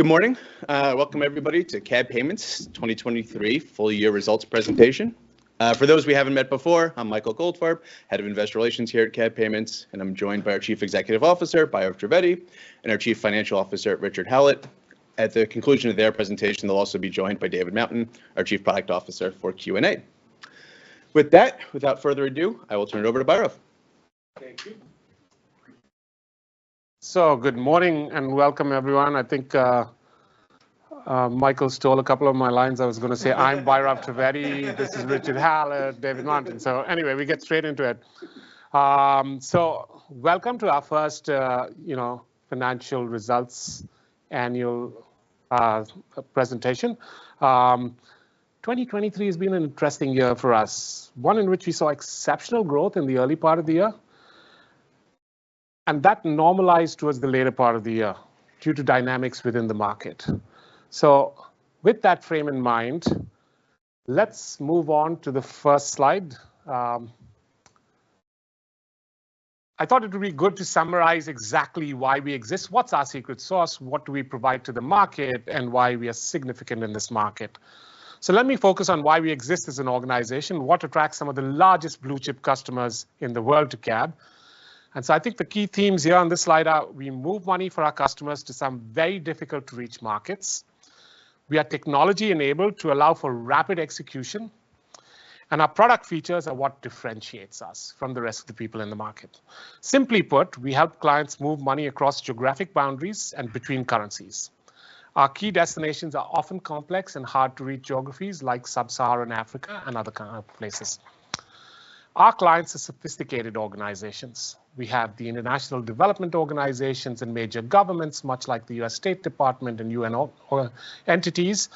Good morning. Welcome, everybody, to CAB Payments 2023 full year results presentation. For those we haven't met before, I'm Michael Goldfarb, Head of Investor Relations here at CAB Payments, and I'm joined by our Chief Executive Officer, Bhairav Trivedi, and our Chief Financial Officer, Richard Hallett. At the conclusion of their presentation, they'll also be joined by David Mountain, our Chief Product Officer for Q&A. With that, without further ado, I will turn it over to Bhairav. Thank you. So good morning and welcome, everyone. I think Michael stole a couple of my lines. I was going to say I'm Bhairav Trivedi, this is Richard Hallett, David Mountain. So anyway, we get straight into it. So welcome to our first financial results annual presentation. 2023 has been an interesting year for us, one in which we saw exceptional growth in the early part of the year. That normalized towards the later part of the year due to dynamics within the market. So with that frame in mind, let's move on to the first slide. I thought it would be good to summarize exactly why we exist, what's our secret sauce, what do we provide to the market, and why we are significant in this market. So let me focus on why we exist as an organization, what attracts some of the largest blue-chip customers in the world to CAB. And so I think the key themes here on this slide are we move money for our customers to some very difficult to reach markets. We are technology-enabled to allow for rapid execution. And our product features are what differentiates us from the rest of the people in the market. Simply put, we help clients move money across geographic boundaries and between currencies. Our key destinations are often complex and hard to reach geographies like Sub-Saharan Africa and other kinds of places. Our clients are sophisticated organizations. We have the International Development Organizations and major governments, much like the U.S. Department of State and UN entities.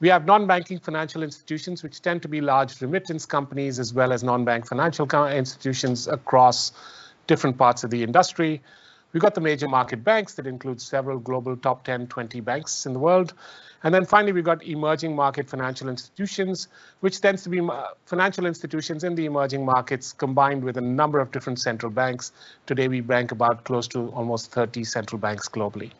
We have non-banking financial institutions, which tend to be large remittance companies, as well as non-bank financial institutions across different parts of the industry. We've got the major market banks that include several global top 10-20 banks in the world. Then finally, we've got emerging market financial institutions, which tends to be financial institutions in the emerging markets combined with a number of different central banks. Today, we bank about close to almost 30 central banks globally.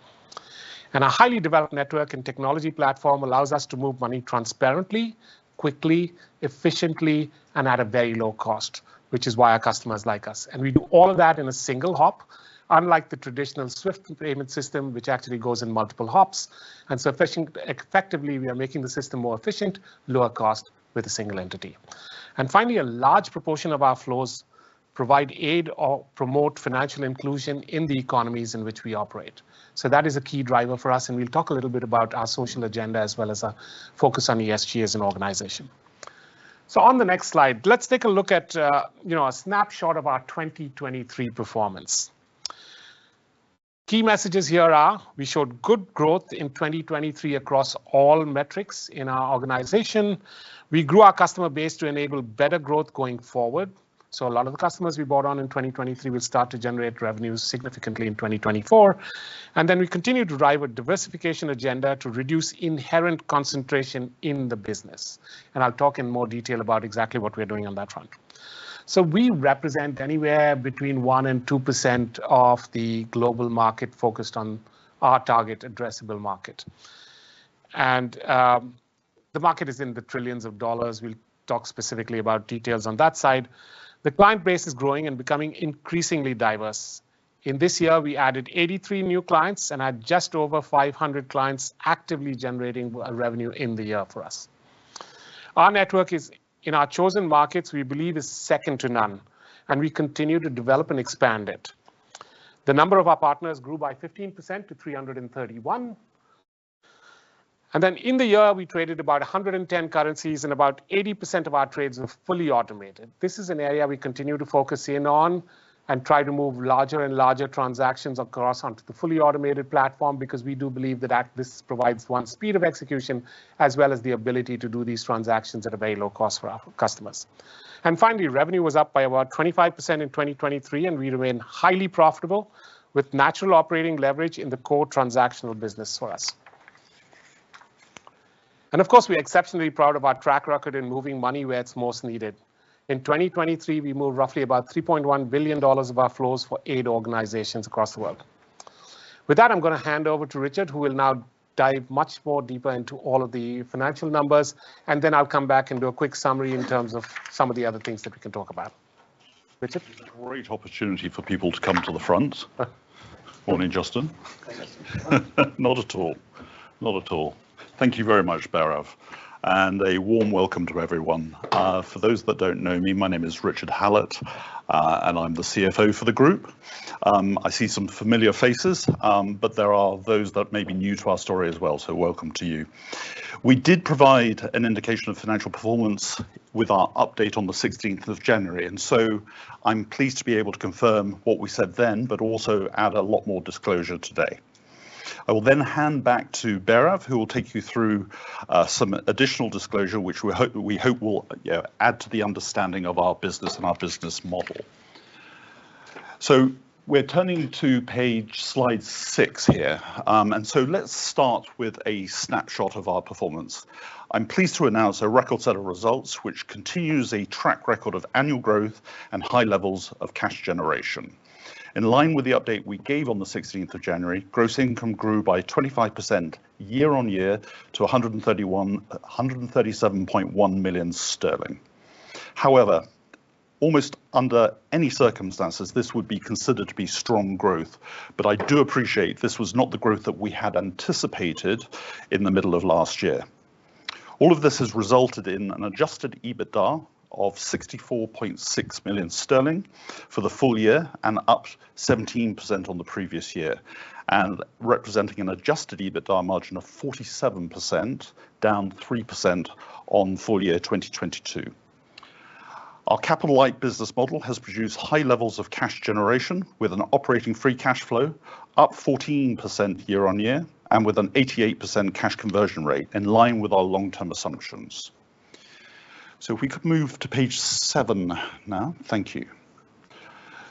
A highly developed network and technology platform allows us to move money transparently, quickly, efficiently, and at a very low cost, which is why our customers like us. We do all of that in a single hop, unlike the traditional SWIFT payment system, which actually goes in multiple hops. So effectively, we are making the system more efficient, lower cost with a single entity. And finally, a large proportion of our flows provide aid or promote financial inclusion in the economies in which we operate. So that is a key driver for us, and we'll talk a little bit about our social agenda as well as a focus on ESG as an organization. So on the next slide, let's take a look at a snapshot of our 2023 performance. Key messages here are we showed good growth in 2023 across all metrics in our organization. We grew our customer base to enable better growth going forward. So a lot of the customers we brought on in 2023 will start to generate revenues significantly in 2024. And then we continue to drive a diversification agenda to reduce inherent concentration in the business. And I'll talk in more detail about exactly what we're doing on that front. So we represent anywhere between 1% and 2% of the global market focused on our target addressable market. The market is in the trillions of dollars. We'll talk specifically about details on that side. The client base is growing and becoming increasingly diverse. In this year, we added 83 new clients and had just over 500 clients actively generating revenue in the year for us. Our network is in our chosen markets, we believe, is second to none, and we continue to develop and expand it. The number of our partners grew by 15% to 331. And then in the year, we traded about 110 currencies, and about 80% of our trades were fully automated. This is an area we continue to focus in on and try to move larger and larger transactions across onto the fully automated platform because we do believe that this provides one speed of execution as well as the ability to do these transactions at a very low cost for our customers. And finally, revenue was up by about 25% in 2023, and we remain highly profitable with natural operating leverage in the core transactional business for us. And of course, we're exceptionally proud of our track record in moving money where it's most needed. In 2023, we moved roughly about $3.1 billion of our flows for aid organizations across the world. With that, I'm going to hand over to Richard, who will now dive much more deeper into all of the financial numbers, and then I'll come back and do a quick summary in terms of some of the other things that we can talk about. Richard? Great opportunity for people to come to the front. Morning, Justin. Not at all. Not at all. Thank you very much, Bhairav, and a warm welcome to everyone. For those that don't know me, my name is Richard Hallett, and I'm the CFO for the group. I see some familiar faces, but there are those that may be new to our story as well, so welcome to you. We did provide an indication of financial performance with our update on the 16th of January, and so I'm pleased to be able to confirm what we said then, but also add a lot more disclosure today. I will then hand back to Bhairav, who will take you through some additional disclosure, which we hope will add to the understanding of our business and our business model. So we're turning to page slide six here, and so let's start with a snapshot of our performance. I'm pleased to announce a record set of results, which continues a track record of annual growth and high levels of cash generation. In line with the update we gave on the 16th of January, gross income grew by 25% year-on-year to 137.1 million sterling. However, almost under any circumstances, this would be considered to be strong growth, but I do appreciate this was not the growth that we had anticipated in the middle of last year. All of this has resulted in an adjusted EBITDA of 64.6 million sterling for the full year and up 17% on the previous year, and representing an adjusted EBITDA margin of 47%, down 3% on full year 2022. Our capital light business model has produced high levels of cash generation with an operating free cash flow up 14% year-over-year and with an 88% cash conversion rate in line with our long-term assumptions. So if we could move to page 7 now, thank you.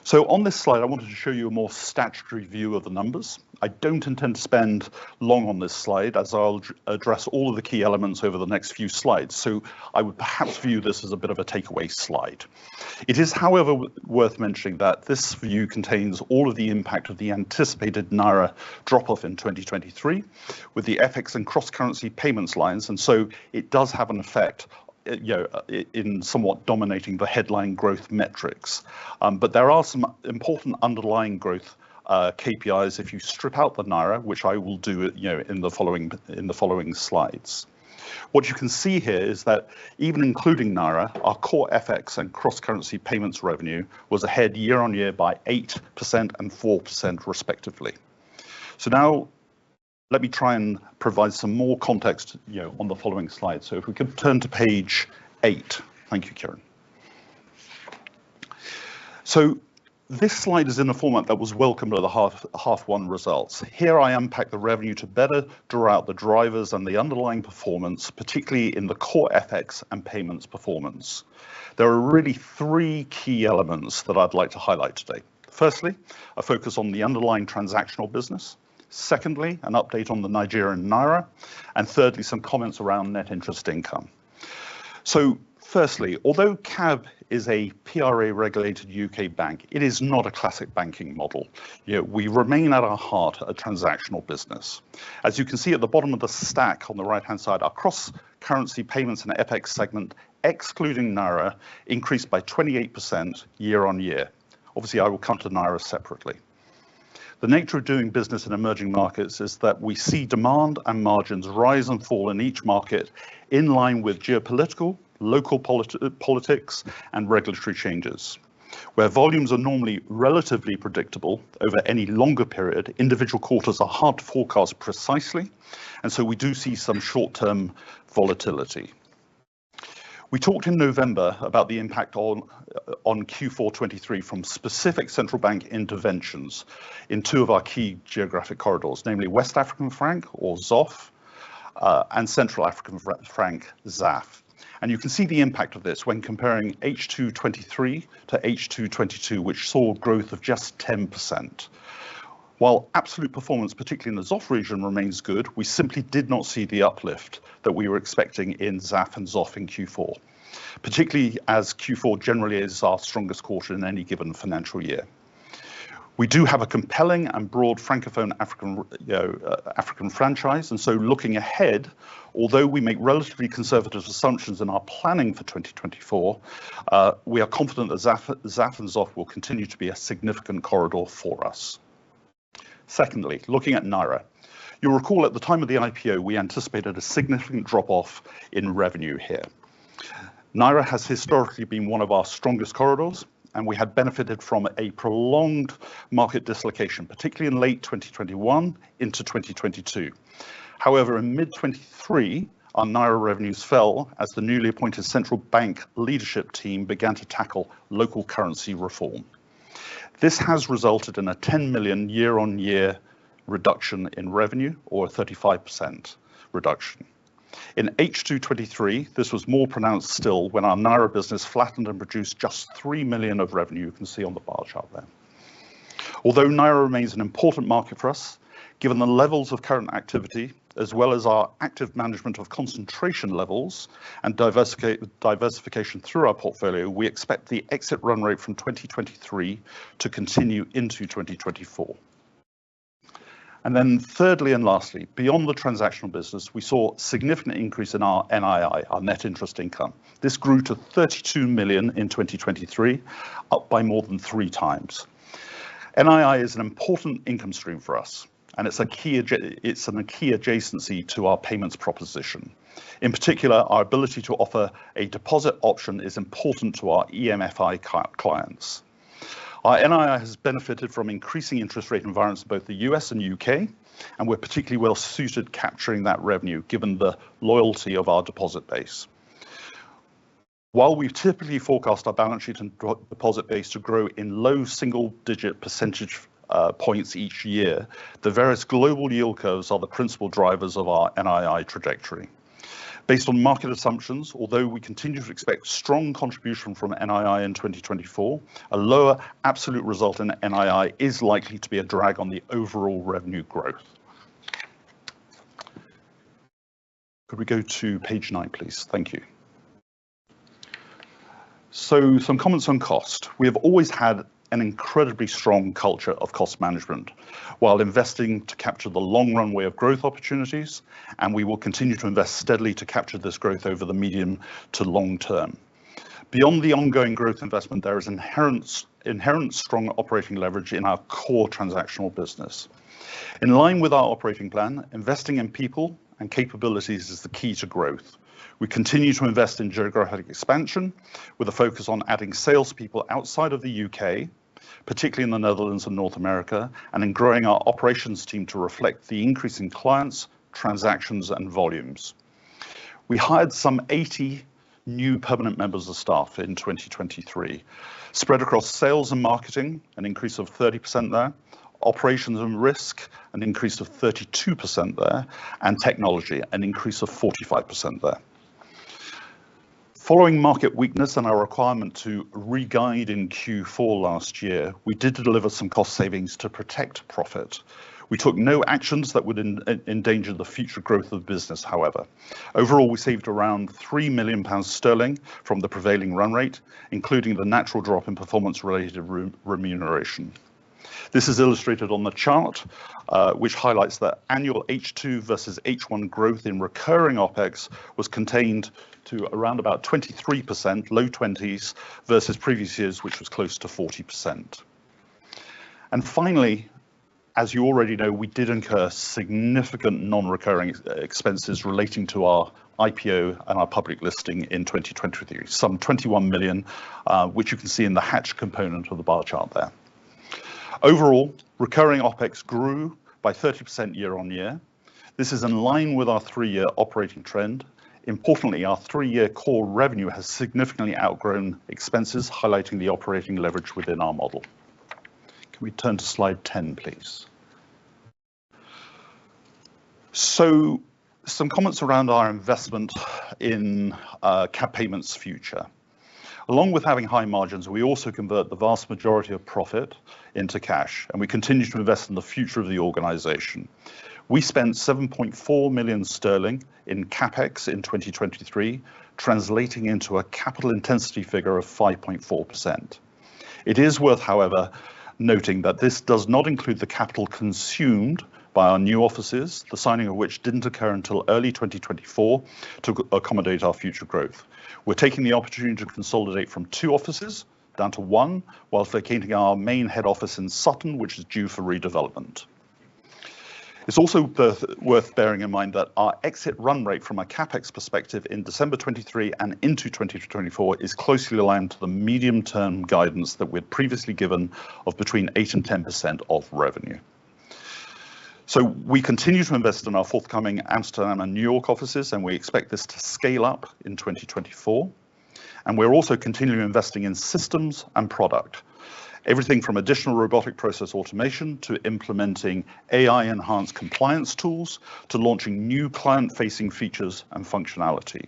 So on this slide, I wanted to show you a more statutory view of the numbers. I don't intend to spend long on this slide, as I'll address all of the key elements over the next few slides, so I would perhaps view this as a bit of a takeaway slide. It is, however, worth mentioning that this view contains all of the impact of the anticipated Naira drop-off in 2023 with the FX and cross-currency payments lines, and so it does have an effect in somewhat dominating the headline growth metrics. But there are some important underlying growth KPIs if you strip out the Naira, which I will do in the following slides. What you can see here is that even including Naira, our core FX and cross-currency payments revenue was ahead year on year by 8% and 4%, respectively. So now let me try and provide some more context on the following slide. So if we could turn to page 8. Thank you, Kieran. So this slide is in a format that was welcomed at the half one results. Here I unpack the revenue to better draw out the drivers and the underlying performance, particularly in the core FX and payments performance. There are really three key elements that I'd like to highlight today. Firstly, a focus on the underlying transactional business. Secondly, an update on the Nigerian Naira. And thirdly, some comments around net interest income. So firstly, although CAB is a PRA regulated U.K. bank, it is not a classic banking model. We remain at our heart a transactional business. As you can see at the bottom of the stack on the right-hand side, our cross-currency payments and FX segment, excluding Naira, increased by 28% year-on-year. Obviously, I will come to Naira separately. The nature of doing business in emerging markets is that we see demand and margins rise and fall in each market in line with geopolitical, local politics, and regulatory changes. Where volumes are normally relatively predictable over any longer period, individual quarters are hard to forecast precisely, and so we do see some short-term volatility. We talked in November about the impact on Q4 '23 from specific central bank interventions in two of our key geographic corridors, namely West African Franc or XOF and Central African Franc XAF. You can see the impact of this when comparing H2 '23 to H2 '22, which saw growth of just 10%. While absolute performance, particularly in the XOF region, remains good, we simply did not see the uplift that we were expecting in XAF and XOF in Q4, particularly as Q4 generally is our strongest quarter in any given financial year. We do have a compelling and broad Francophone African franchise, and so looking ahead, although we make relatively conservative assumptions in our planning for 2024, we are confident that XAF and XOF will continue to be a significant corridor for us. Secondly, looking at NGN, you'll recall at the time of the IPO, we anticipated a significant drop-off in revenue here. NGN has historically been one of our strongest corridors, and we had benefited from a prolonged market dislocation, particularly in late 2021 into 2022. However, in mid-2023, our NGN revenues fell as the newly appointed central bank leadership team began to tackle local currency reform. This has resulted in a 10 million year-on-year reduction in revenue, or a 35% reduction. In H2 2023, this was more pronounced still when our NGN business flattened and produced just 3 million of revenue you can see on the bar chart there. Although NGN remains an important market for us, given the levels of current activity, as well as our active management of concentration levels and diversification through our portfolio, we expect the exit run rate from 2023 to continue into 2024. And then thirdly and lastly, beyond the transactional business, we saw a significant increase in our NII, our net interest income. This grew to 32 million in 2023, up by more than three times. NII is an important income stream for us, and it's a key adjacency to our payments proposition. In particular, our ability to offer a deposit option is important to our EMFI clients. Our NII has benefited from increasing interest rate environments in both the U.S. and U.K., and we're particularly well suited capturing that revenue given the loyalty of our deposit base. While we've typically forecast our balance sheet and deposit base to grow in low single-digit percentage points each year, the various global yield curves are the principal drivers of our NII trajectory. Based on market assumptions, although we continue to expect strong contribution from NII in 2024, a lower absolute result in NII is likely to be a drag on the overall revenue growth. Could we go to page 9, please? Thank you. So some comments on cost. We have always had an incredibly strong culture of cost management while investing to capture the long runway of growth opportunities, and we will continue to invest steadily to capture this growth over the medium to long term. Beyond the ongoing growth investment, there is inherent strong operating leverage in our core transactional business. In line with our operating plan, investing in people and capabilities is the key to growth. We continue to invest in geographic expansion with a focus on adding salespeople outside of the U.K., particularly in the Netherlands and North America, and in growing our operations team to reflect the increase in clients, transactions, and volumes. We hired some 80 new permanent members of staff in 2023, spread across sales and marketing, an increase of 30% there, operations and risk, an increase of 32% there, and technology, an increase of 45% there. Following market weakness and our requirement to re-guide in Q4 last year, we did deliver some cost savings to protect profit. We took no actions that would endanger the future growth of the business, however. Overall, we saved around 3 million sterling from the prevailing run rate, including the natural drop in performance-related remuneration. This is illustrated on the chart, which highlights that annual H2 versus H1 growth in recurring OPEX was contained to around about 23%, low 20s versus previous years, which was close to 40%. And finally, as you already know, we did incur significant non-recurring expenses relating to our IPO and our public listing in 2023, some 21 million, which you can see in the hatch component of the bar chart there. Overall, recurring OPEX grew by 30% year-on-year. This is in line with our three-year operating trend. Importantly, our three-year core revenue has significantly outgrown expenses, highlighting the operating leverage within our model. Can we turn to slide 10, please? So some comments around our investment in CAB Payments future. Along with having high margins, we also convert the vast majority of profit into cash, and we continue to invest in the future of the organization. We spent 7.4 million sterling in CAPEX in 2023, translating into a capital intensity figure of 5.4%. It is worth, however, noting that this does not include the capital consumed by our new offices, the signing of which didn't occur until early 2024 to accommodate our future growth. We're taking the opportunity to consolidate from two offices down to one while vacating our main head office in Sutton, which is due for redevelopment. It's also worth bearing in mind that our exit run rate from a CapEx perspective in December 2023 and into 2024 is closely aligned to the medium-term guidance that we had previously given of between 8% and 10% of revenue. So we continue to invest in our forthcoming Amsterdam and New York offices, and we expect this to scale up in 2024. And we're also continuing to invest in systems and product, everything from additional robotic process automation to implementing AI-enhanced compliance tools to launching new client-facing features and functionality.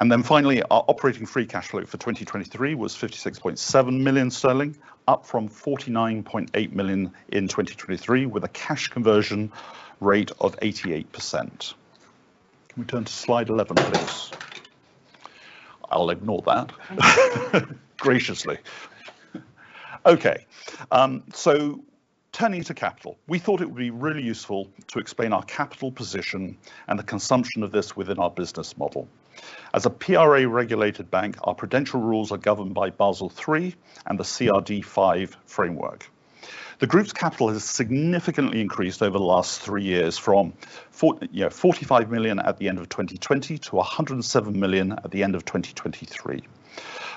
And then finally, our operating free cash flow for 2023 was 56.7 million sterling, up from 49.8 million in 2023 with a cash conversion rate of 88%. Can we turn to slide 11, please? I'll ignore that graciously. Okay, so turning to capital. We thought it would be really useful to explain our capital position and the consumption of this within our business model. As a PRA-regulated bank, our capital rules are governed by Basel III and the CRD V framework. The group's capital has significantly increased over the last three years from 45 million at the end of 2020 to 107 million at the end of 2023.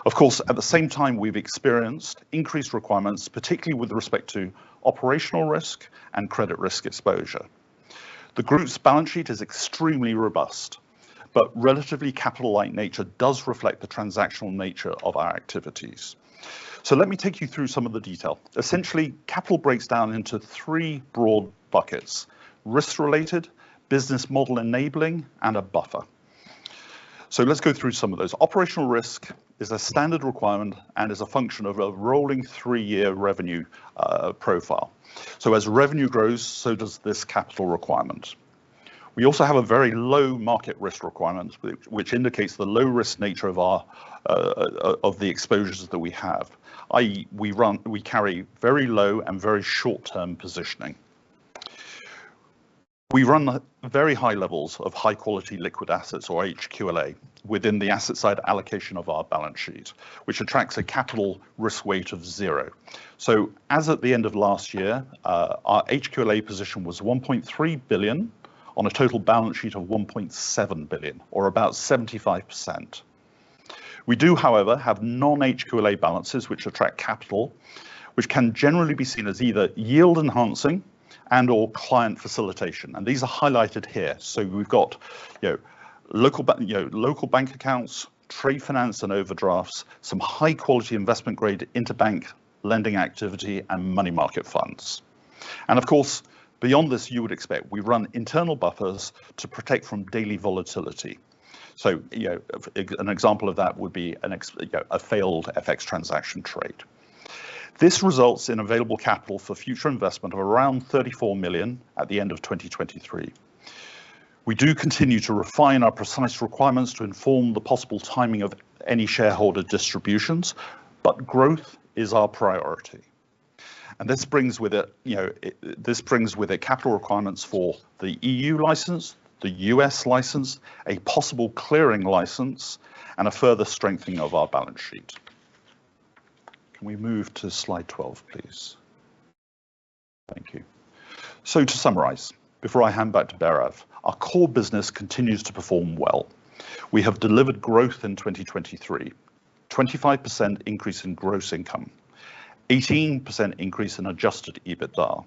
Of course, at the same time, we've experienced increased requirements, particularly with respect to operational risk and credit risk exposure. The group's balance sheet is extremely robust, but relatively capital-light nature does reflect the transactional nature of our activities. So let me take you through some of the detail. Essentially, capital breaks down into three broad buckets: risk-related, business-model-enabling, and a buffer. So let's go through some of those. Operational risk is a standard requirement and is a function of a rolling 3-year revenue profile. So as revenue grows, so does this capital requirement. We also have a very low market risk requirement, which indicates the low-risk nature of the exposures that we have, i.e., we carry very low and very short-term positioning. We run very high levels of high-quality liquid assets, or HQLA, within the asset side allocation of our balance sheet, which attracts a capital risk weight of zero. So as at the end of last year, our HQLA position was 1.3 billion on a total balance sheet of 1.7 billion, or about 75%. We do, however, have non-HQLA balances which attract capital, which can generally be seen as either yield-enhancing and/or client facilitation. These are highlighted here. So we've got local bank accounts, trade finance and overdrafts, some high-quality investment-grade interbank lending activity, and money market funds. And of course, beyond this, you would expect we run internal buffers to protect from daily volatility. So an example of that would be a failed FX transaction trade. This results in available capital for future investment of around 34 million at the end of 2023. We do continue to refine our precise requirements to inform the possible timing of any shareholder distributions, but growth is our priority. And this brings with it capital requirements for the EU license, the U.S. license, a possible clearing license, and a further strengthening of our balance sheet. Can we move to slide 12, please? Thank you. So to summarise, before I hand back to Bhairav, our core business continues to perform well. We have delivered growth in 2023, a 25% increase in gross income, an 18% increase in Adjusted EBITDA,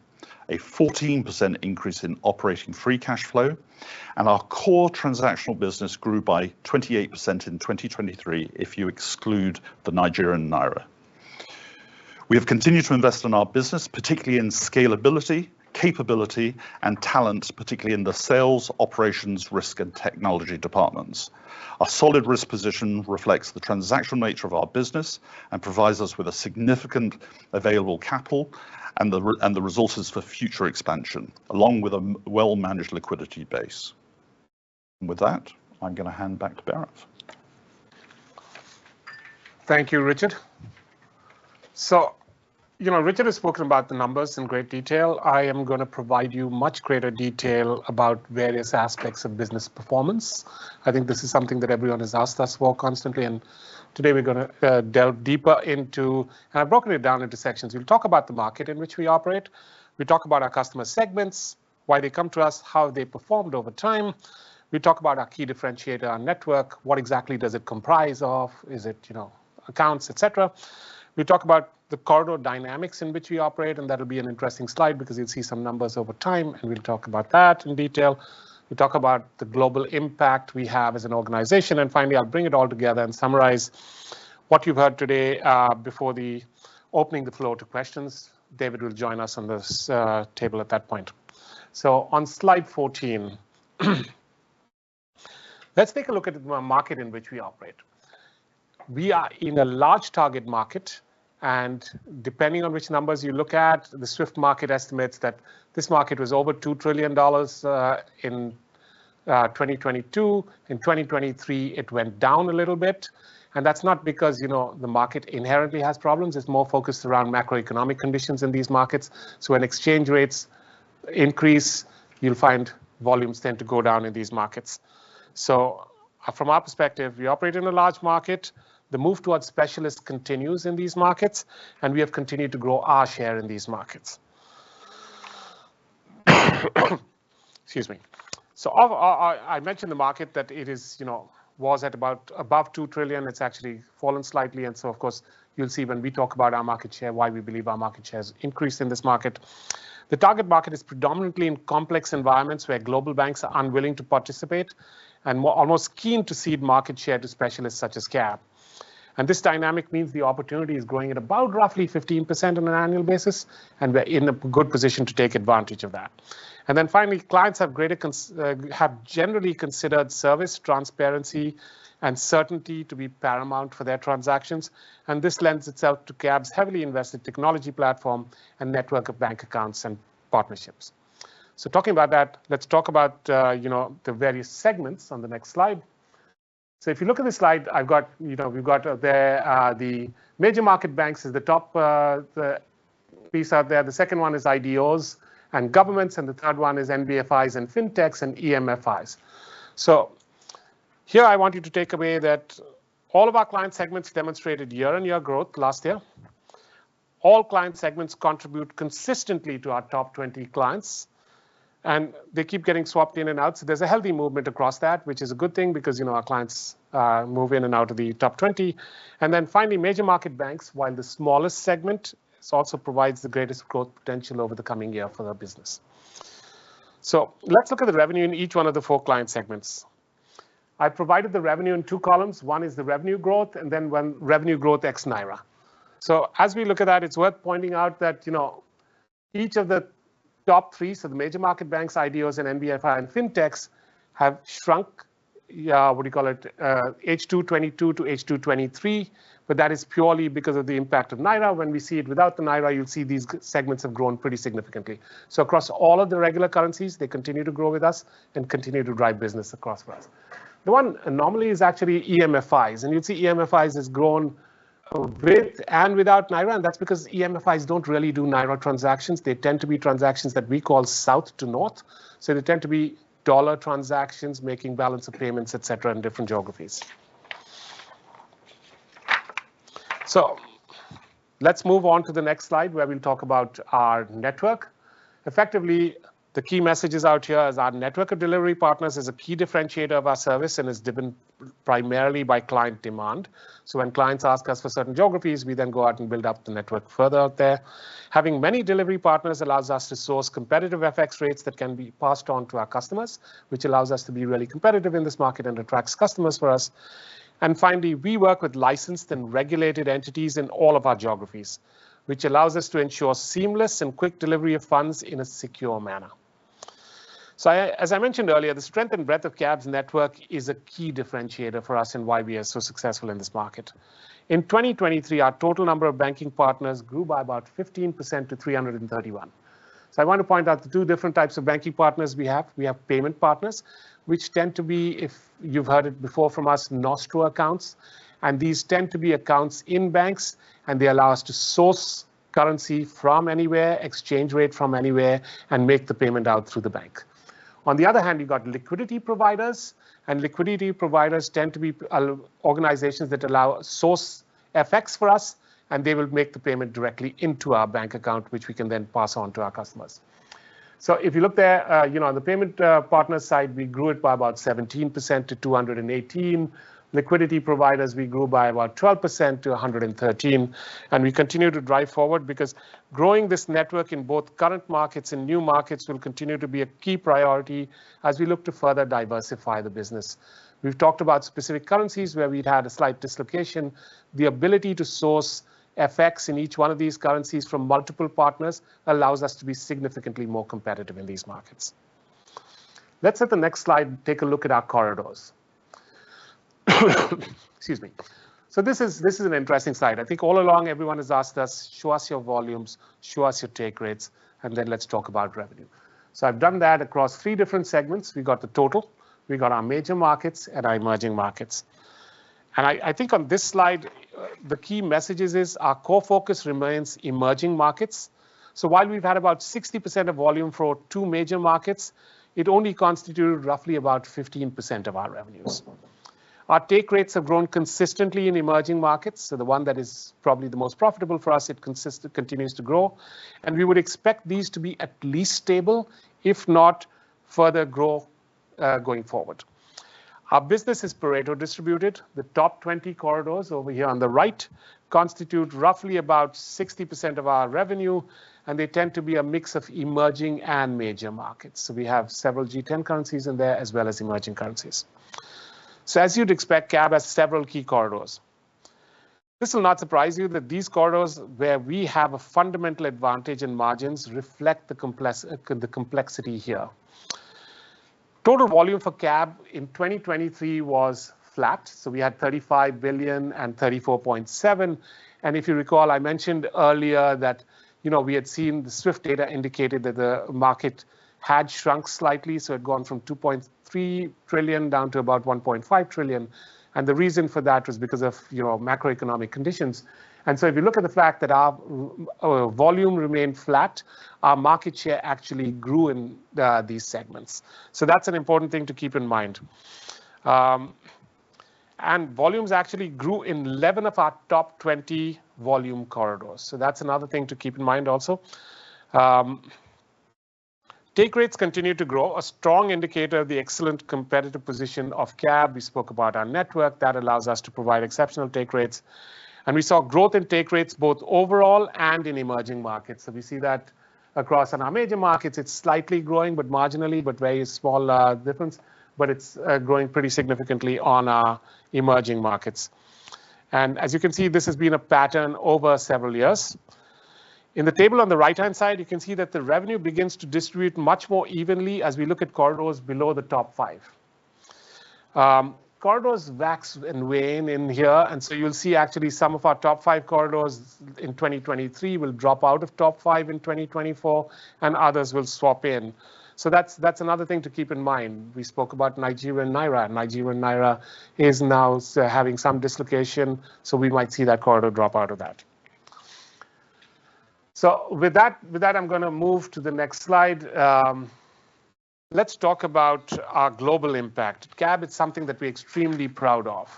a 14% increase in Operating Free Cash Flow, and our core transactional business grew by 28% in 2023 if you exclude the Nigerian Naira. We have continued to invest in our business, particularly in scalability, capability, and talent, particularly in the sales, operations, risk, and technology departments. Our solid risk position reflects the transactional nature of our business and provides us with a significant available capital and the resources for future expansion, along with a well-managed liquidity base. With that, I'm going to hand back to Bhairav. Thank you, Richard. Richard has spoken about the numbers in great detail. I am going to provide you much greater detail about various aspects of business performance. I think this is something that everyone has asked us for constantly. Today we're going to delve deeper into, and I've broken it down into sections. We'll talk about the market in which we operate. We talk about our customer segments, why they come to us, how they performed over time. We talk about our key differentiator, our network, what exactly does it comprise of? Is it accounts, etc.? We talk about the corridor dynamics in which we operate, and that'll be an interesting slide because you'll see some numbers over time, and we'll talk about that in detail. We talk about the global impact we have as an organization. Finally, I'll bring it all together and summarize what you've heard today before opening the floor to questions. David will join us on this table at that point. So on slide 14, let's take a look at the market in which we operate. We are in a large target market, and depending on which numbers you look at, the SWIFT market estimates that this market was over $2 trillion in 2022. In 2023, it went down a little bit, and that's not because the market inherently has problems. It's more focused around macroeconomic conditions in these markets. So when exchange rates increase, you'll find volumes tend to go down in these markets. So from our perspective, we operate in a large market. The move towards specialists continues in these markets, and we have continued to grow our share in these markets. Excuse me. So I mentioned the market that it was at about above $2 trillion. It's actually fallen slightly. So, of course, you'll see when we talk about our market share, why we believe our market share has increased in this market. The target market is predominantly in complex environments where global banks are unwilling to participate and almost keen to cede market share to specialists such as CAB. This dynamic means the opportunity is growing at about roughly 15% on an annual basis, and we're in a good position to take advantage of that. Then finally, clients have generally considered service, transparency, and certainty to be paramount for their transactions. This lends itself to CAB's heavily invested technology platform and network of bank accounts and partnerships. So talking about that, let's talk about the various segments on the next slide. So if you look at this slide, we've got there the major market banks as the top piece out there. The second one is IDOs and governments, and the third one is NBFIs and fintechs and EMFIs. So here I want you to take away that all of our client segments demonstrated year-on-year growth last year. All client segments contribute consistently to our top 20 clients, and they keep getting swapped in and out. So there's a healthy movement across that, which is a good thing because our clients move in and out of the top 20. And then finally, major market banks, while the smallest segment, also provides the greatest growth potential over the coming year for their business. So let's look at the revenue in each one of the four client segments. I provided the revenue in two columns. One is the revenue growth, and then when revenue growth ex Naira. So as we look at that, it's worth pointing out that each of the top three, so the major market banks, IDOs, and NBFI and fintechs have shrunk, what do you call it, H2 '22 to H2 '23, but that is purely because of the impact of Naira. When we see it without the Naira, you'll see these segments have grown pretty significantly. So across all of the regular currencies, they continue to grow with us and continue to drive business across for us. The one anomaly is actually EMFIs, and you'll see EMFIs have grown with and without Naira, and that's because EMFIs don't really do Naira transactions. They tend to be transactions that we call south to north. So they tend to be dollar transactions, making balance of payments, etc., in different geographies. So let's move on to the next slide where we'll talk about our network. Effectively, the key messages out here are our network of delivery partners is a key differentiator of our service and is driven primarily by client demand. So when clients ask us for certain geographies, we then go out and build up the network further out there. Having many delivery partners allows us to source competitive FX rates that can be passed on to our customers, which allows us to be really competitive in this market and attracts customers for us. And finally, we work with licensed and regulated entities in all of our geographies, which allows us to ensure seamless and quick delivery of funds in a secure manner. So as I mentioned earlier, the strength and breadth of CAB's network is a key differentiator for us and why we are so successful in this market. In 2023, our total number of banking partners grew by about 15% to 331. I want to point out the two different types of banking partners we have. We have payment partners, which tend to be, if you've heard it before from us, nostro accounts. These tend to be accounts in banks, and they allow us to source currency from anywhere, exchange rate from anywhere, and make the payment out through the bank. On the other hand, you've got liquidity providers, and liquidity providers tend to be organizations that allow source FX for us, and they will make the payment directly into our bank account, which we can then pass on to our customers. If you look there, on the payment partner side, we grew it by about 17% to 218. Liquidity Providers, we grew by about 12% to 113%, and we continue to drive forward because growing this network in both current markets and new markets will continue to be a key priority as we look to further diversify the business. We've talked about specific currencies where we'd had a slight dislocation. The ability to source FX in each one of these currencies from multiple partners allows us to be significantly more competitive in these markets. Let's at the next slide take a look at our corridors. Excuse me. So this is an interesting slide. I think all along, everyone has asked us, "Show us your volumes. Show us your take rates. And then let's talk about revenue." So I've done that across three different segments. We've got the total. We've got our major markets and our emerging markets. I think on this slide, the key messages are our core focus remains emerging markets. So while we've had about 60% of volume for two major markets, it only constituted roughly about 15% of our revenues. Our take rates have grown consistently in emerging markets. So the one that is probably the most profitable for us, it continues to grow. And we would expect these to be at least stable, if not further grow going forward. Our business is Pareto distributed. The top 20 corridors over here on the right constitute roughly about 60% of our revenue, and they tend to be a mix of emerging and major markets. So we have several G10 currencies in there as well as emerging currencies. So as you'd expect, CAB has several key corridors. This will not surprise you that these corridors where we have a fundamental advantage in margins reflect the complexity here. Total volume for CAB in 2023 was flat. We had $35 billion and $34.7 billion. If you recall, I mentioned earlier that we had seen the SWIFT data indicated that the market had shrunk slightly. It'd gone from $2.3 trillion down to about $1.5 trillion. The reason for that was because of macroeconomic conditions. If you look at the fact that our volume remained flat, our market share actually grew in these segments. That's an important thing to keep in mind. Volumes actually grew in 11 of our top 20 volume corridors. That's another thing to keep in mind also. Take rates continue to grow, a strong indicator of the excellent competitive position of CAB. We spoke about our network. That allows us to provide exceptional take rates. We saw growth in take rates both overall and in emerging markets. We see that across our major markets, it's slightly growing, but marginally, but very small difference. But it's growing pretty significantly on our emerging markets. As you can see, this has been a pattern over several years. In the table on the right-hand side, you can see that the revenue begins to distribute much more evenly as we look at corridors below the top five. Corridors wax and wane in here. You'll see actually some of our top five corridors in 2023 will drop out of top five in 2024, and others will swap in. That's another thing to keep in mind. We spoke about Nigeria and Naira. Nigeria and Naira are now having some dislocation. So we might see that corridor drop out of that. So with that, I'm going to move to the next slide. Let's talk about our global impact. CAB is something that we're extremely proud of.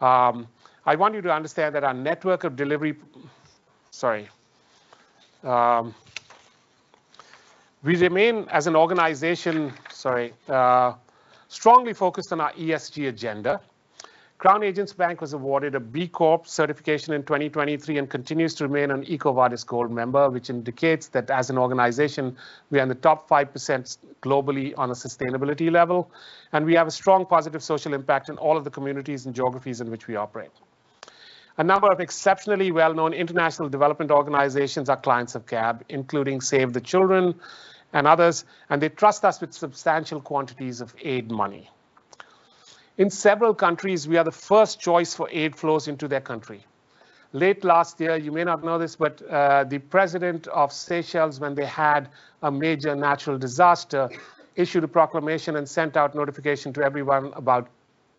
I want you to understand that our network of delivery—sorry. We remain, as an organization, sorry, strongly focused on our ESG agenda. Crown Agents Bank was awarded a B Corp certification in 2023 and continues to remain an EcoVadis Gold member, which indicates that as an organization, we are in the top 5% globally on a sustainability level, and we have a strong positive social impact in all of the communities and geographies in which we operate. A number of exceptionally well-known international development organizations are clients of CAB, including Save the Children and others, and they trust us with substantial quantities of aid money. In several countries, we are the first choice for aid flows into their country. Late last year, you may not know this, but the President of Seychelles, when they had a major natural disaster, issued a proclamation and sent out notification to everyone about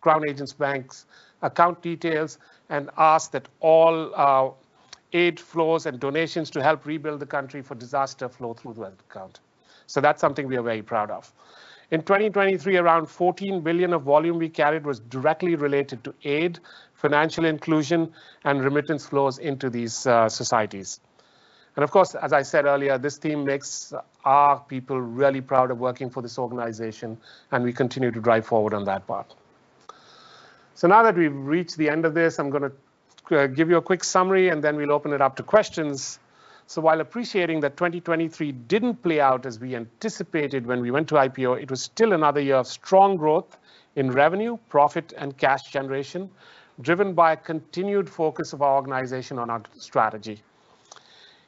Crown Agents Bank's account details and asked that all aid flows and donations to help rebuild the country for disaster flow through the account. So that's something we are very proud of. In 2023, around $14 billion of volume we carried was directly related to aid, financial inclusion, and remittance flows into these societies. Of course, as I said earlier, this theme makes our people really proud of working for this organization, and we continue to drive forward on that part. So now that we've reached the end of this, I'm going to give you a quick summary, and then we'll open it up to questions. While appreciating that 2023 didn't play out as we anticipated when we went to IPO, it was still another year of strong growth in revenue, profit, and cash generation, driven by a continued focus of our organization on our strategy.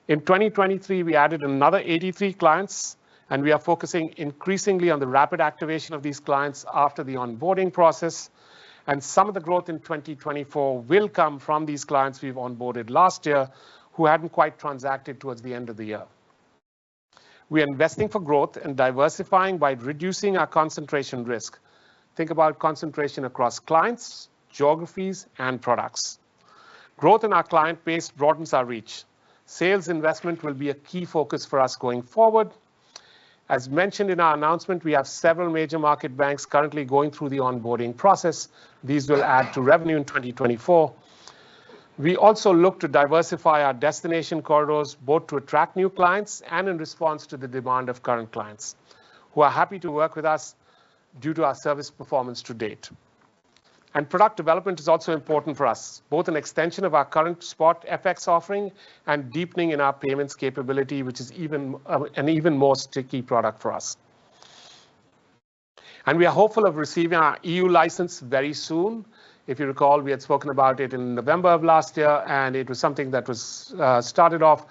In 2023, we added another 83 clients, and we are focusing increasingly on the rapid activation of these clients after the onboarding process. Some of the growth in 2024 will come from these clients we've onboarded last year who hadn't quite transacted towards the end of the year. We are investing for growth and diversifying by reducing our concentration risk. Think about concentration across clients, geographies, and products. Growth in our client base broadens our reach. Sales investment will be a key focus for us going forward. As mentioned in our announcement, we have several major market banks currently going through the onboarding process. These will add to revenue in 2024. We also look to diversify our destination corridors both to attract new clients and in response to the demand of current clients who are happy to work with us due to our service performance to date. Product development is also important for us, both an extension of our current spot FX offering and deepening in our payments capability, which is an even more sticky product for us. We are hopeful of receiving our EU license very soon. If you recall, we had spoken about it in November of last year, and it was something that was started off.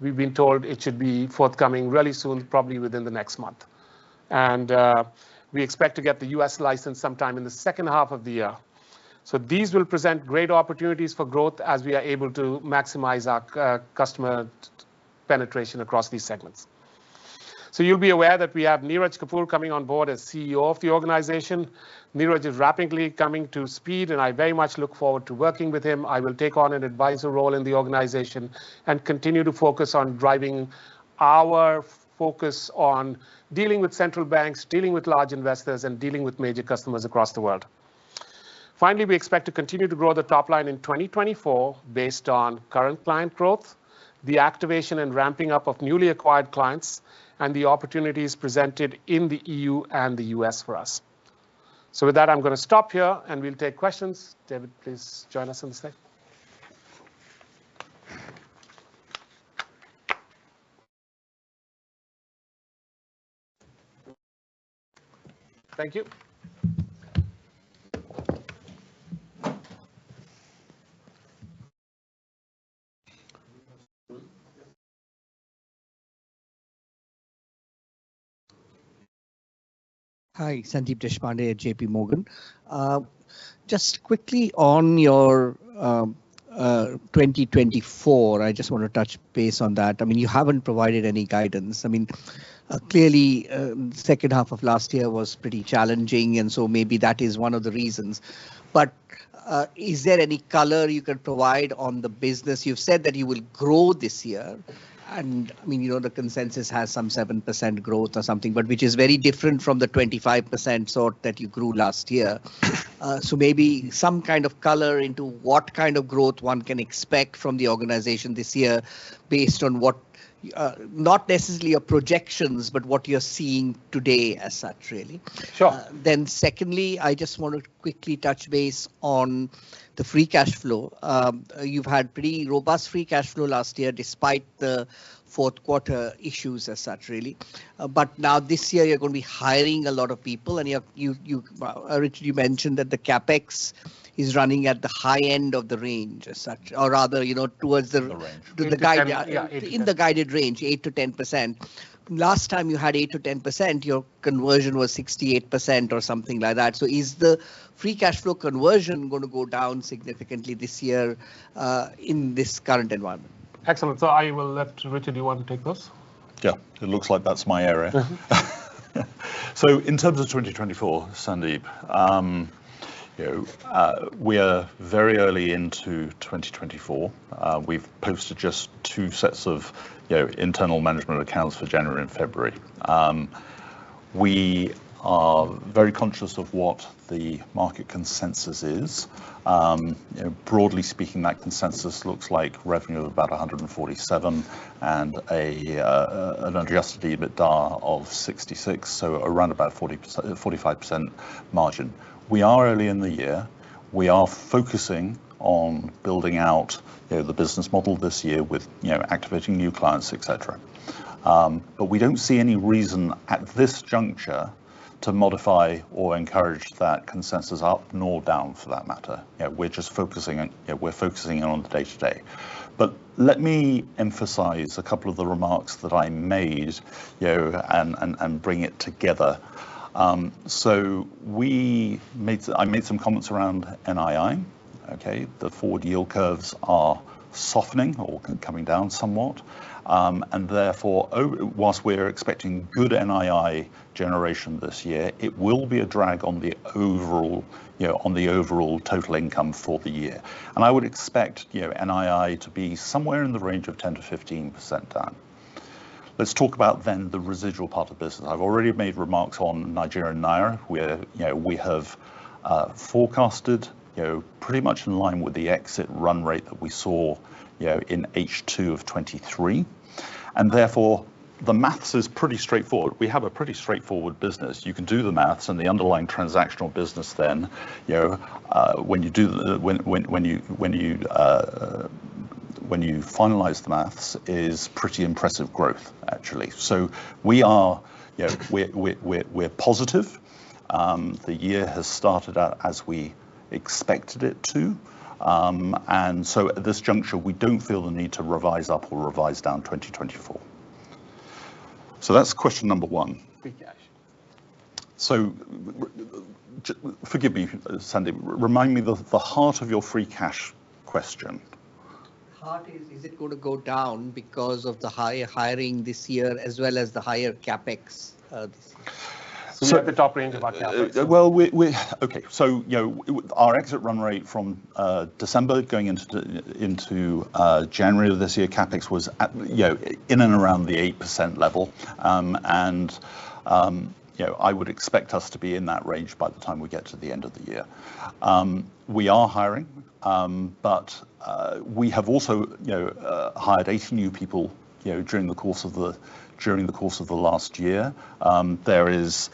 We've been told it should be forthcoming really soon, probably within the next month. We expect to get the U.S. license sometime in the second half of the year. These will present great opportunities for growth as we are able to maximize our customer penetration across these segments. You'll be aware that we have Neeraj Kapur coming on board as CEO of the organization. Neeraj is rapidly coming up to speed, and I very much look forward to working with him. I will take on an advisor role in the organization and continue to focus on driving our focus on dealing with central banks, dealing with large investors, and dealing with major customers across the world. Finally, we expect to continue to grow the top line in 2024 based on current client growth, the activation and ramping up of newly acquired clients, and the opportunities presented in the EU and the U.S. for us. With that, I'm going to stop here, and we'll take questions. David, please join us on the stage. Thank you. Hi, Sandeep Deshpande at J.P. Morgan. Just quickly on your 2024, I just want to touch base on that. I mean, you haven't provided any guidance. I mean, clearly, the second half of last year was pretty challenging, and so maybe that is one of the reasons. But is there any color you can provide on the business? You've said that you will grow this year, and I mean, you know the consensus has some 7% growth or something, but which is very different from the 25% sort that you grew last year. So maybe some kind of color into what kind of growth one can expect from the organization this year based on what not necessarily your projections, but what you're seeing today as such, really. Then secondly, I just want to quickly touch base on the free cash flow. You've had pretty robust free cash flow last year despite the Q4 issues as such, really. But now this year, you're going to be hiring a lot of people, and you originally mentioned that the CapEx is running at the high end of the range as such, or rather, you know towards the guided range, 8%-10%. Last time you had 8%-10%, your conversion was 68% or something like that. So is the free cash flow conversion going to go down significantly this year in this current environment? Excellent. So I will let Richard, you want to take those? Yeah, it looks like that's my area. So in terms of 2024, Sandeep, we are very early into 2024. We've posted just two sets of internal management accounts for January and February. We are very conscious of what the market consensus is. Broadly speaking, that consensus looks like revenue of about 147% and an adjusted EBITDA of 66%, so around about 45% margin. We are early in the year. We are focusing on building out the business model this year with activating new clients, etc. But we don't see any reason at this juncture to modify or encourage that consensus up nor down for that matter. We're just focusing on the day-to-day. But let me emphasize a couple of the remarks that I made and bring it together. So I made some comments around NII. The forward yield curves are softening or coming down somewhat. Therefore, while we're expecting good NII generation this year, it will be a drag on the overall total income for the year. I would expect NII to be somewhere in the range of 10%-15% down. Let's talk about then the residual part of business. I've already made remarks on Nigeria and Naira. We have forecasted pretty much in line with the exit run rate that we saw in H2 of 2023. Therefore, the math is pretty straightforward. We have a pretty straightforward business. You can do the math, and the underlying transactional business then, when you finalize the math, is pretty impressive growth, actually. We are positive. The year has started out as we expected it to. So at this juncture, we don't feel the need to revise up or revise down 2024. That's question number one. Free cash. Forgive me, Sandeep. Remind me the heart of your free cash question? Is it going to go down because of the higher hiring this year as well as the higher CapEx this year? We're at the top range of our CapEx. Well, okay. So our exit run rate from December going into January of this year, CapEx was in and around the 8% level. And I would expect us to be in that range by the time we get to the end of the year. We are hiring, but we have also hired 80 new people during the course of the last year. There is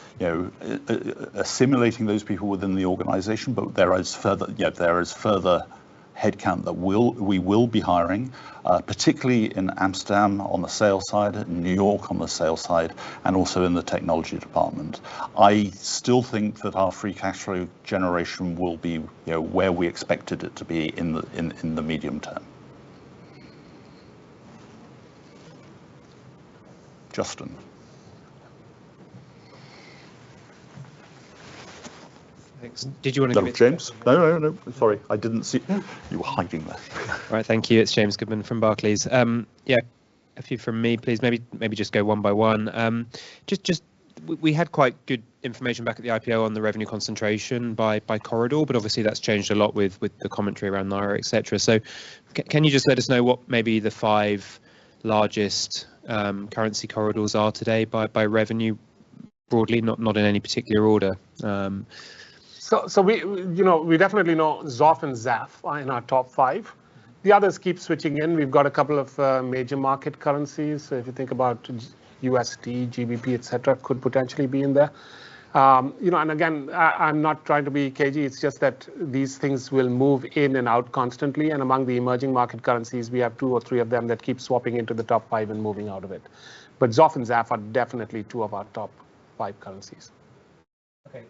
assimilating those people within the organization, but there is further headcount that we will be hiring, particularly in Amsterdam on the sales side, New York on the sales side, and also in the technology department. I still think that our free cash flow generation will be where we expected it to be in the medium term. Justin. Thanks. Did you want to give it? No, James. No, no, no. Sorry. I didn't see you were hiding there. All right. Thank you. It's James Goodman from Barclays. Yeah, a few from me, please. Maybe just go one by one. We had quite good information back at the IPO on the revenue concentration by corridor, but obviously, that's changed a lot with the commentary around Naira, etc. So can you just let us know what maybe the five largest currency corridors are today by revenue, broadly, not in any particular order? So we definitely know XOF and XAF in our top five. The others keep switching in. We've got a couple of major market currencies. So if you think about USD, GBP, etc., could potentially be in there. And again, I'm not trying to be cagey. It's just that these things will move in and out constantly. And among the emerging market currencies, we have two or three of them that keep swapping into the top five and moving out of it. But XOF and XAF are definitely two of our top five currencies. Okay.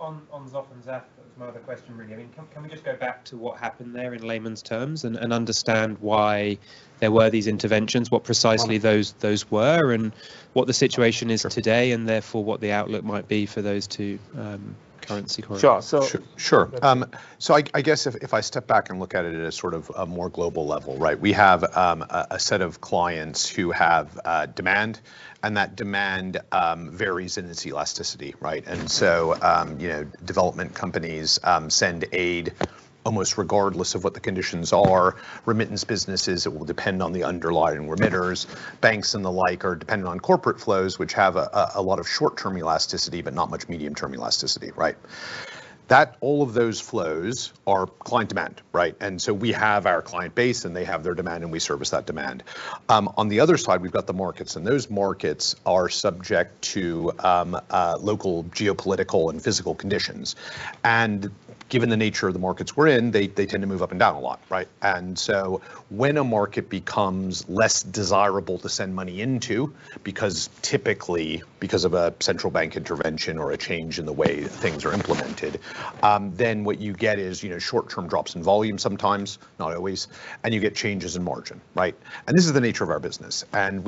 On XOF and XAF, there's no other question, really. I mean, can we just go back to what happened there in layman's terms and understand why there were these interventions, what precisely those were, and what the situation is today, and therefore, what the outlook might be for those two currency corridors? Sure. So I guess if I step back and look at it at a sort of a more global level, right, we have a set of clients who have demand, and that demand varies in its elasticity, right? And so development companies send aid almost regardless of what the conditions are. Remittance businesses, it will depend on the underlying remitters. Banks and the like are dependent on corporate flows, which have a lot of short-term elasticity but not much medium-term elasticity, right? All of those flows are client demand, right? And so we have our client base, and they have their demand, and we service that demand. On the other side, we've got the markets, and those markets are subject to local geopolitical and physical conditions. And given the nature of the markets we're in, they tend to move up and down a lot, right? And so when a market becomes less desirable to send money into because typically because of a central bank intervention or a change in the way things are implemented, then what you get is short-term drops in volume sometimes, not always, and you get changes in margin, right? And this is the nature of our business. And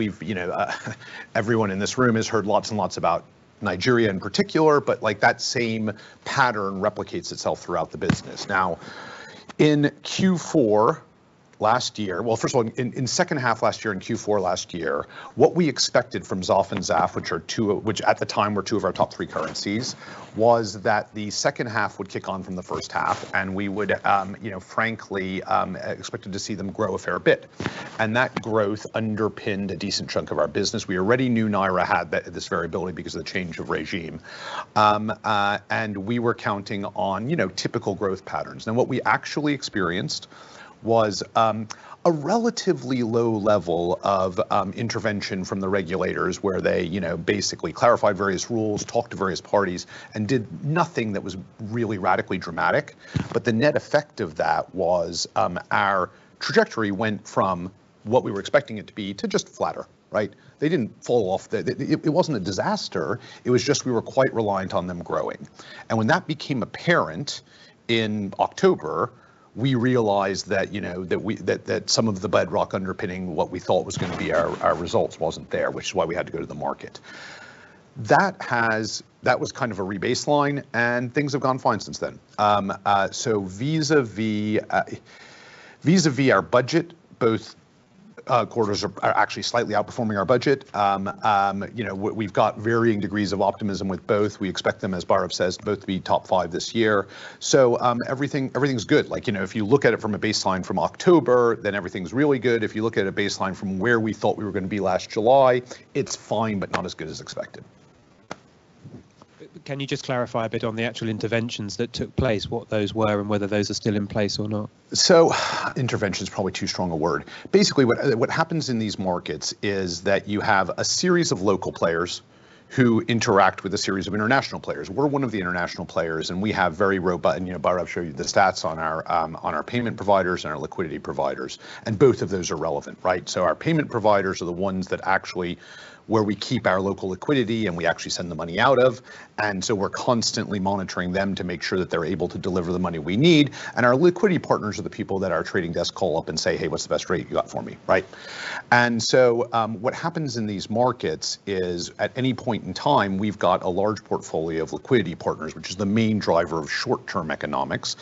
everyone in this room has heard lots and lots about Nigeria in particular, but that same pattern replicates itself throughout the business. Now, in Q4 last year well, first of all, in second half last year, in Q4 last year, what we expected from XOF and XAF, which at the time were two of our top three currencies, was that the second half would kick on from the first half, and we would frankly expected to see them grow a fair bit. And that growth underpinned a decent chunk of our business. We already knew Naira had this variability because of the change of regime. We were counting on typical growth patterns. Now, what we actually experienced was a relatively low level of intervention from the regulators where they basically clarified various rules, talked to various parties, and did nothing that was really radically dramatic. The net effect of that was our trajectory went from what we were expecting it to be to just flatter, right? They didn't fall off. It wasn't a disaster. It was just we were quite reliant on them growing. When that became apparent in October, we realized that some of the bedrock underpinning what we thought was going to be our results wasn't there, which is why we had to go to the market. That was kind of a rebaseline, and things have gone fine since then. So vis-à-vis our budget, both quarters are actually slightly outperforming our budget. We've got varying degrees of optimism with both. We expect them, as Bhairav says, both to be top five this year. So everything's good. If you look at it from a baseline from October, then everything's really good. If you look at it at a baseline from where we thought we were going to be last July, it's fine but not as good as expected. Can you just clarify a bit on the actual interventions that took place, what those were, and whether those are still in place or not? So intervention's probably too strong a word. Basically, what happens in these markets is that you have a series of local players who interact with a series of international players. We're one of the international players, and we have very robust. Bhairav showed you the stats on our payment providers and our liquidity providers. And both of those are relevant, right? So our payment providers are the ones where we keep our local liquidity, and we actually send the money out of. And so we're constantly monitoring them to make sure that they're able to deliver the money we need. And our liquidity partners are the people that our trading desk call up and say, "Hey, what's the best rate you got for me?" Right? And so what happens in these markets is at any point in time, we've got a large portfolio of liquidity partners, which is the main driver of short-term economics.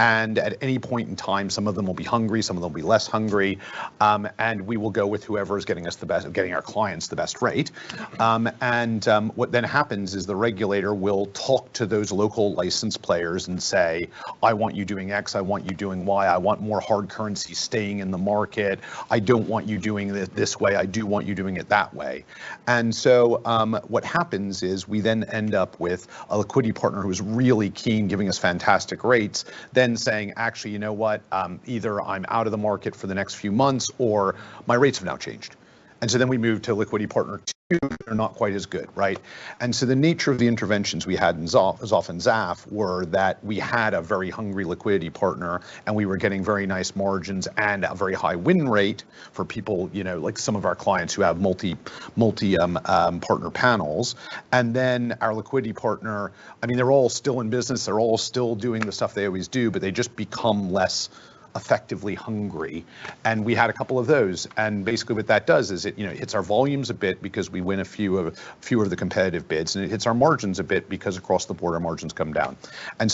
At any point in time, some of them will be hungry. Some of them will be less hungry. And we will go with whoever is getting our clients the best rate. And what then happens is the regulator will talk to those local licensed players and say, "I want you doing X. I want you doing Y. I want more hard currency staying in the market. I don't want you doing it this way. I do want you doing it that way." And so what happens is we then end up with a liquidity partner who is really keen, giving us fantastic rates, then saying, "Actually, you know what? Either I'm out of the market for the next few months, or my rates have now changed." So then we move to liquidity partner two. They're not quite as good, right? The nature of the interventions we had in XOF and XAF were that we had a very hungry liquidity partner, and we were getting very nice margins and a very high win rate for people, like some of our clients who have multi-partner panels. Then our liquidity partner I mean, they're all still in business. They're all still doing the stuff they always do, but they just become less effectively hungry. We had a couple of those. Basically, what that does is it hits our volumes a bit because we win a few of the competitive bids. It hits our margins a bit because across the board, our margins come down.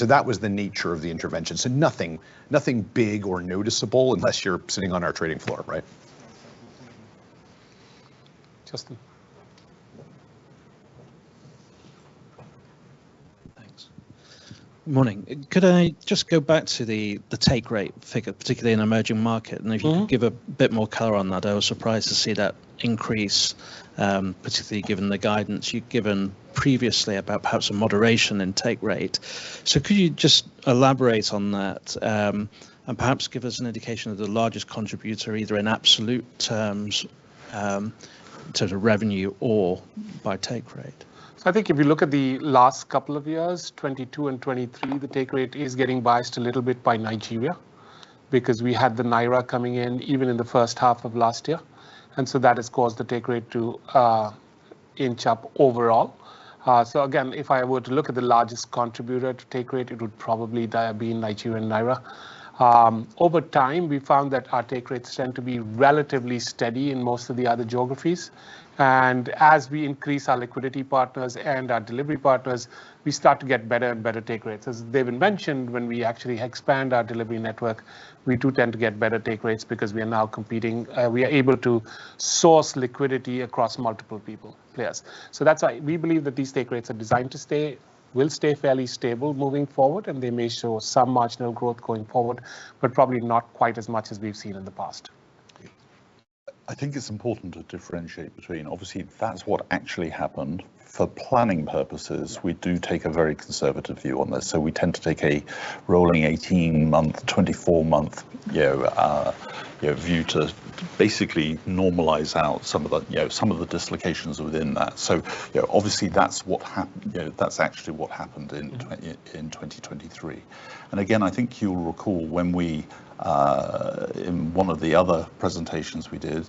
That was the nature of the intervention. Nothing big or noticeable unless you're sitting on our trading floor, right? Justin. Thanks. Good morning. Could I just go back to the take rate figure, particularly in emerging market? And if you could give a bit more color on that, I was surprised to see that increase, particularly given the guidance you've given previously about perhaps a moderation in take rate. So could you just elaborate on that and perhaps give us an indication of the largest contributor, either in absolute terms in terms of revenue or by take rate? So I think if you look at the last couple of years, 2022 and 2023, the take rate is getting biased a little bit by Nigeria because we had the NGN coming in even in the first half of last year. And so that has caused the take rate to inch up overall. So again, if I were to look at the largest contributor to take rate, it would probably be Nigeria and NGN. Over time, we found that our take rates tend to be relatively steady in most of the other geographies. And as we increase our liquidity partners and our delivery partners, we start to get better and better take rates. As David mentioned, when we actually expand our delivery network, we do tend to get better take rates because we are now competing; we are able to source liquidity across multiple players. So that's why we believe that these take rates will stay fairly stable moving forward, and they may show some marginal growth going forward, but probably not quite as much as we've seen in the past. I think it's important to differentiate between, obviously, that's what actually happened. For planning purposes, we do take a very conservative view on this. We tend to take a rolling 18-month, 24-month view to basically normalize out some of the dislocations within that. Obviously, that's actually what happened in 2023. Again, I think you'll recall when we in one of the other presentations we did,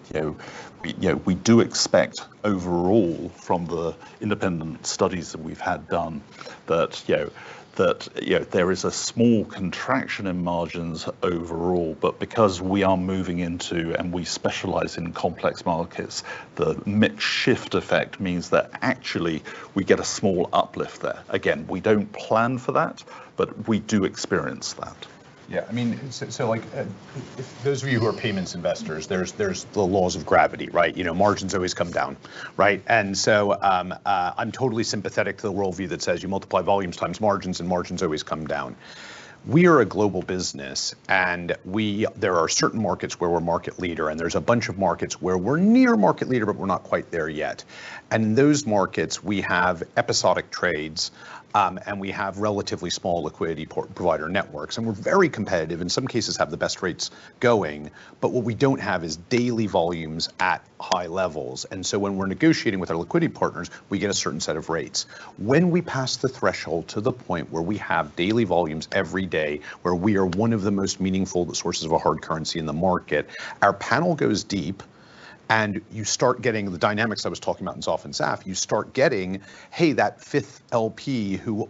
we do expect overall from the independent studies that we've had done that there is a small contraction in margins overall. But because we are moving into and we specialize in complex markets, the mix shift effect means that actually, we get a small uplift there. Again, we don't plan for that, but we do experience that. Yeah. I mean, so those of you who are payments investors, there's the laws of gravity, right? Margins always come down, right? And so I'm totally sympathetic to the worldview that says you multiply volumes times margins, and margins always come down. We are a global business, and there are certain markets where we're market leader, and there's a bunch of markets where we're near market leader, but we're not quite there yet. And in those markets, we have episodic trades, and we have relatively small liquidity provider networks. And we're very competitive, in some cases, have the best rates going. But what we don't have is daily volumes at high levels. And so when we're negotiating with our liquidity partners, we get a certain set of rates. When we pass the threshold to the point where we have daily volumes every day, where we are one of the most meaningful sources of a hard currency in the market, our panel goes deep, and you start getting the dynamics I was talking about in XOF and XAF. You start getting, "Hey, that fifth LP who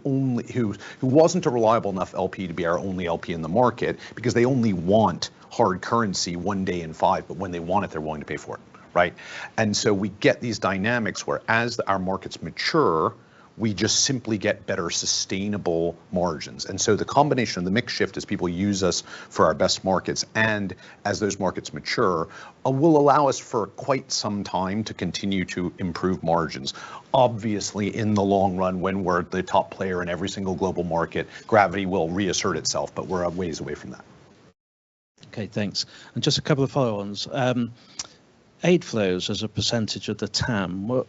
wasn't a reliable enough LP to be our only LP in the market because they only want hard currency one day in five, but when they want it, they're willing to pay for it," right? And so we get these dynamics where, as our markets mature, we just simply get better sustainable margins. And so the combination of the mix shift is people use us for our best markets, and as those markets mature, will allow us for quite some time to continue to improve margins. Obviously, in the long run, when we're the top player in every single global market, gravity will reassert itself, but we're ways away from that. Okay. Thanks. And just a couple of follow-ons. Aid flows as a % of the TAM, what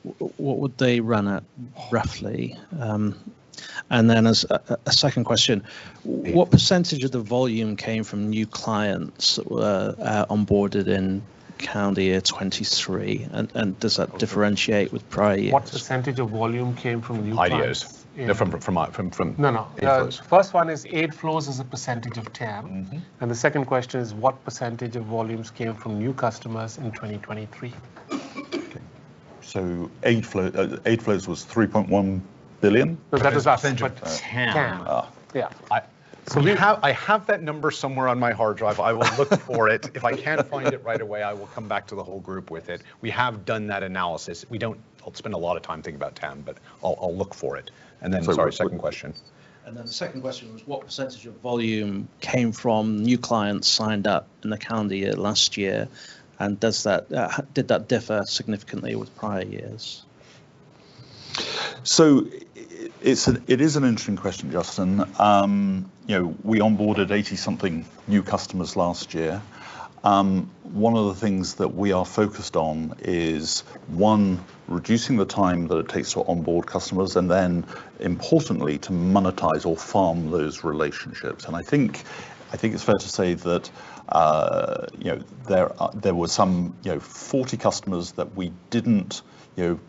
would they run at roughly? And then a second question, what % of the volume came from new clients that were onboarded in calendar year 2023? And does that differentiate with prior years? What percentage of volume came from new clients? Prior years. No, no. First one is aid flows as a percentage of TAM. The second question is, what percentage of volumes came from new customers in 2023? Aid flows was GBP 3.1 billion. No, that was last. Percentage of TAM. TAM. Yeah. So I have that number somewhere on my hard drive. I will look for it. If I can't find it right away, I will come back to the whole group with it. We have done that analysis. I'll spend a lot of time thinking about TAM, but I'll look for it. And then, sorry, second question. Then the second question was, what percentage of volume came from new clients signed up in the calendar year last year? Did that differ significantly with prior years? So it is an interesting question, Justin. We onboarded 80-something new customers last year. One of the things that we are focused on is, one, reducing the time that it takes to onboard customers, and then, importantly, to monetize or farm those relationships. And I think it's fair to say that there were some 40 customers that we didn't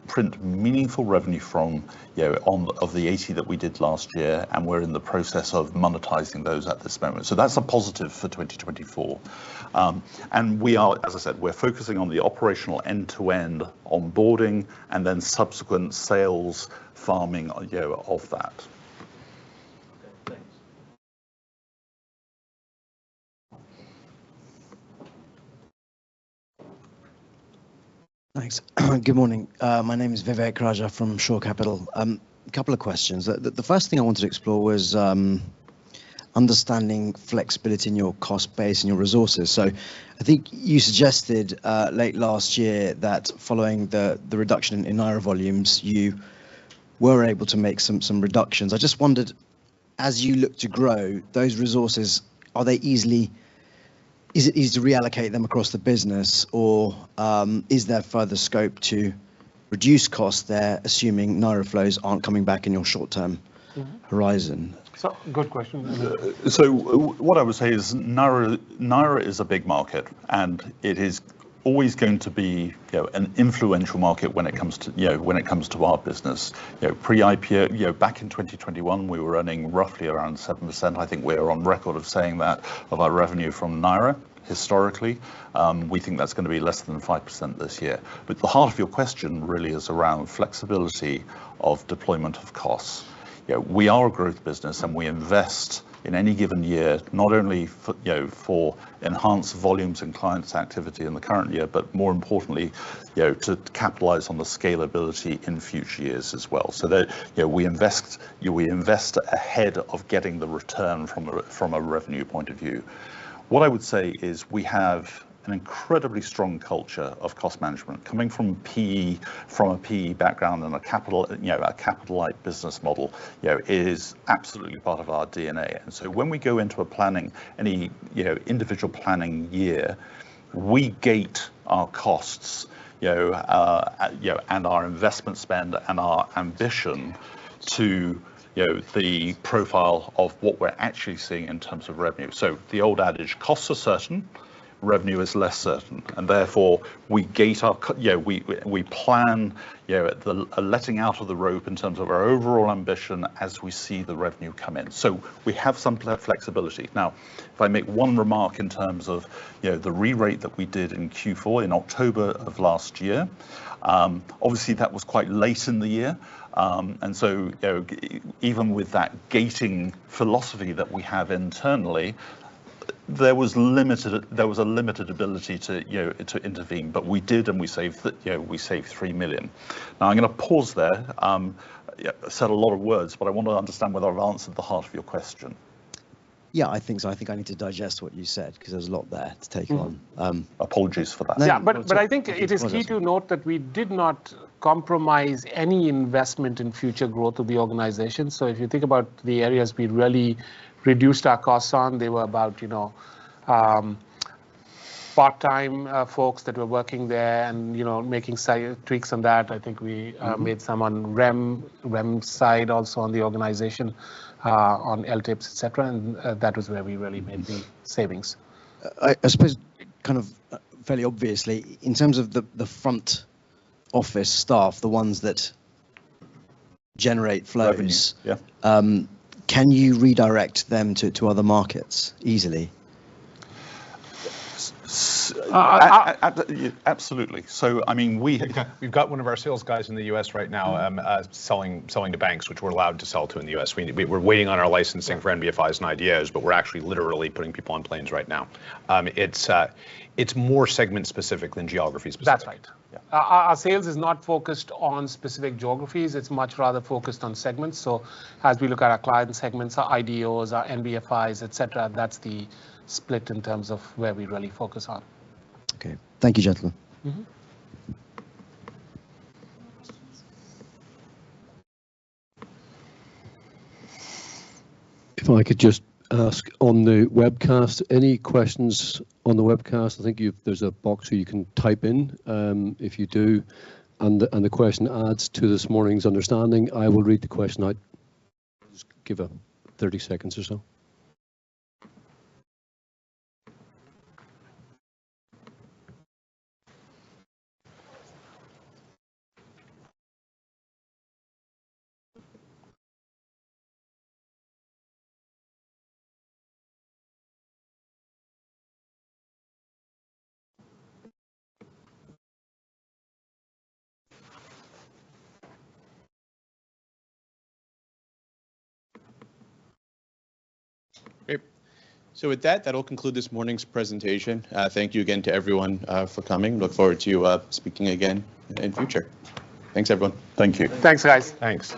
print meaningful revenue from of the 80 that we did last year, and we're in the process of monetizing those at this moment. So that's a positive for 2024. And as I said, we're focusing on the operational end-to-end onboarding and then subsequent sales farming of that. Okay. Thanks. Thanks. Good morning. My name is Vivek Raja from Shore Capital. A couple of questions. The first thing I wanted to explore was understanding flexibility in your cost base and your resources. So I think you suggested late last year that following the reduction in NGN volumes, you were able to make some reductions. I just wondered, as you look to grow those resources, is it easy to reallocate them across the business, or is there further scope to reduce costs there, assuming NGN flows aren't coming back in your short-term horizon? So, good question. So what I would say is NGN is a big market, and it is always going to be an influential market when it comes to when it comes to our business. Back in 2021, we were running roughly around 7%. I think we are on record of saying that of our revenue from NGN historically. We think that's going to be less than 5% this year. But the heart of your question really is around flexibility of deployment of costs. We are a growth business, and we invest in any given year, not only for enhanced volumes and clients' activity in the current year, but more importantly, to capitalize on the scalability in future years as well. So we invest ahead of getting the return from a revenue point of view. What I would say is we have an incredibly strong culture of cost management. Coming from a PE background and a capital-light business model is absolutely part of our DNA. So when we go into a planning, any individual planning year, we gate our costs and our investment spend and our ambition to the profile of what we're actually seeing in terms of revenue. The old adage, costs are certain. Revenue is less certain. Therefore, we gate our plan at the letting out of the rope in terms of our overall ambition as we see the revenue come in. So we have some flexibility. Now, if I make one remark in terms of the re-rate that we did in Q4 in October of last year, obviously, that was quite late in the year. So even with that gating philosophy that we have internally, there was a limited ability to intervene. But we did, and we saved 3 million. Now, I'm going to pause there. I said a lot of words, but I want to understand whether I've answered the heart of your question. Yeah. I think so. I think I need to digest what you said because there's a lot there to take on. Apologies for that. Yeah. But I think it is key to note that we did not compromise any investment in future growth of the organization. So if you think about the areas we really reduced our costs on, they were about part-time folks that were working there and making tweaks on that. I think we made some on Rem side also on the organization, on LTIPs, etc. And that was where we really made the savings. I suppose, kind of fairly obviously, in terms of the front office staff, the ones that generate flows, can you redirect them to other markets easily? Absolutely. So I mean, we've got one of our sales guys in the U.S. right now selling to banks, which we're allowed to sell to in the U.S. We're waiting on our licensing for NBFIs and IDOs, but we're actually literally putting people on planes right now. It's more segment-specific than geography-specific. That's right. Yeah. Our sales is not focused on specific geographies. It's much rather focused on segments. So as we look at our client segments, our IDOs, our NBFIs, etc., that's the split in terms of where we really focus on. Okay. Thank you, Gentlemen. Mm-hmm. If I could just ask on the webcast, any questions on the webcast? I think there's a box where you can type in if you do. And the question adds to this morning's understanding. I will read the question out. Just give us 30 seconds or so. Okay. So with that, that'll conclude this morning's presentation. Thank you again to everyone for coming. Look forward to speaking again in future. Thanks, everyone. Thank you. Thanks, guys. Thanks.